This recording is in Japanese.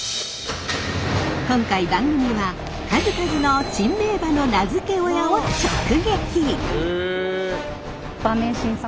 今回番組は数々の珍名馬の名付け親を直撃！